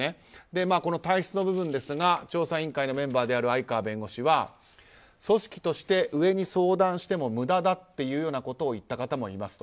この体質の部分ですが調査委員会のメンバーである相川弁護士は組織として上に相談しても無駄だっていうようなことを言った方もいますと。